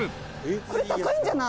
「これ高いんじゃない？」